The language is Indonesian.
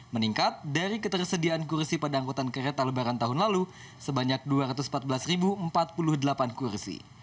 meningkat dari ketersediaan kursi pada angkutan kereta lebaran tahun lalu sebanyak dua ratus empat belas empat puluh delapan kursi